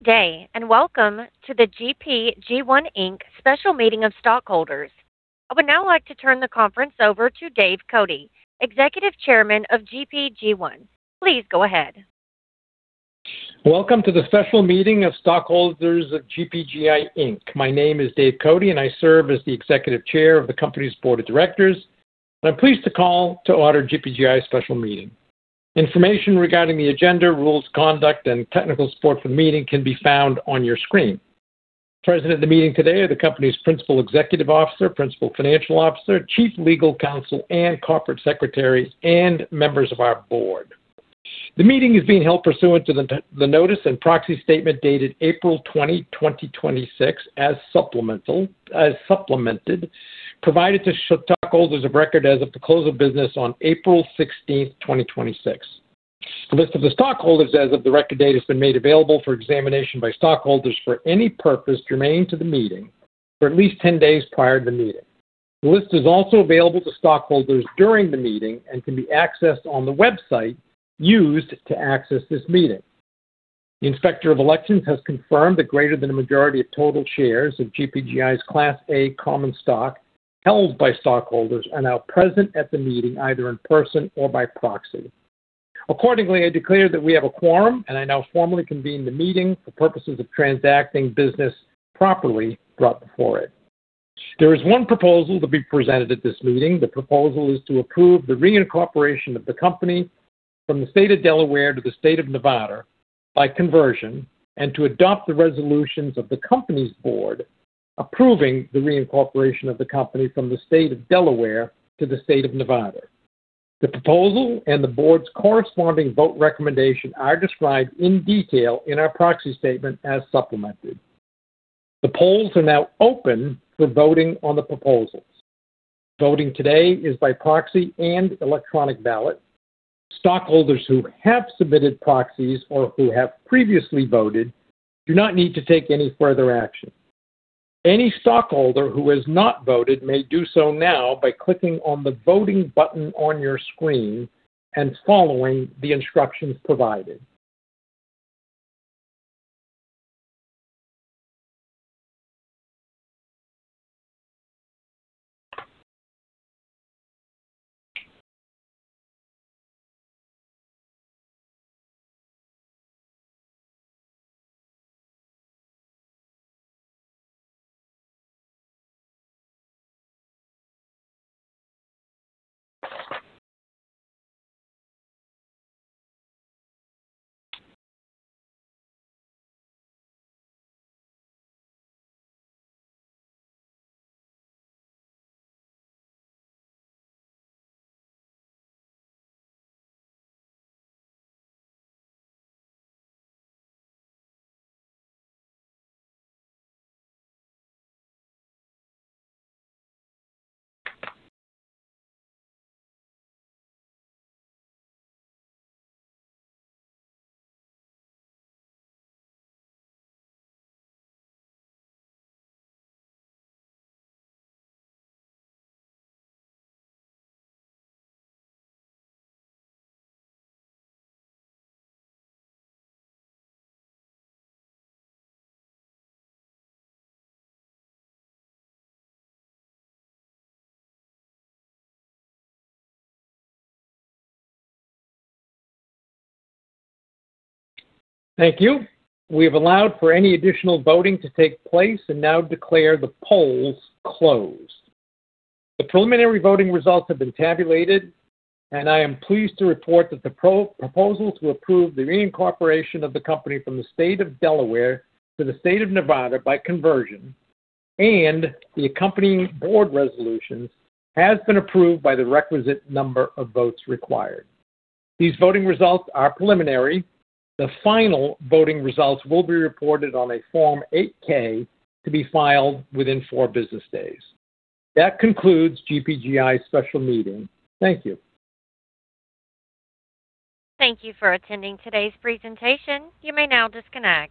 Welcome to the GPGI Inc. special meeting of stockholders. I would now like to turn the conference over to David Cote, Executive Chairman of GPGI. Please go ahead. Welcome to the special meeting of stockholders of GPGI, Inc.. My name is David Cote. I serve as the Executive Chair of the company's board of directors. I'm pleased to call to order GPGI's special meeting. Information regarding the agenda, rules, conduct, and technical support for the meeting can be found on your screen. Present at the meeting today are the company's Principal Executive Officer, Principal Financial Officer, Chief Legal Counsel and Corporate Secretaries, and members of our board. The meeting is being held pursuant to the notice and proxy statement dated April 20, 2026, as supplemented, provided to stockholders of record as of the close of business on April 16th, 2026. The list of the stockholders as of the record date has been made available for examination by stockholders for any purpose germane to the meeting for at least 10 days prior to the meeting. The list is also available to stockholders during the meeting and can be accessed on the website used to access this meeting. The Inspector of Elections has confirmed that greater than a majority of total shares of GPGI's Class A common stock held by stockholders are now present at the meeting, either in person or by proxy. I declare that we have a quorum, and I now formally convene the meeting for purposes of transacting business properly brought before it. There is one proposal to be presented at this meeting. The proposal is to approve the reincorporation of the company from the state of Delaware to the state of Nevada by conversion, and to adopt the resolutions of the company's board, approving the reincorporation of the company from the state of Delaware to the state of Nevada. The proposal and the board's corresponding vote recommendation are described in detail in our proxy statement as supplemented. The polls are now open for voting on the proposals. Voting today is by proxy and electronic ballot. Stockholders who have submitted proxies or who have previously voted do not need to take any further action. Any stockholder who has not voted may do so now by clicking on the voting button on your screen and following the instructions provided. Thank you. We have allowed for any additional voting to take place and now declare the polls closed. The preliminary voting results have been tabulated, and I am pleased to report that the proposal to approve the reincorporation of the company from the state of Delaware to the state of Nevada by conversion, and the accompanying board resolutions, has been approved by the requisite number of votes required. These voting results are preliminary. The final voting results will be reported on a Form 8-K to be filed within four business days. That concludes GPGI's special meeting. Thank you. Thank you for attending today's presentation. You may now disconnect.